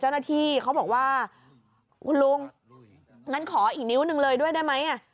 เจ้าหน้าที่เขาบอกว่าคุณลุงงั้นขออีกนิ้วหนึ่งเลยด้วยได้ไหม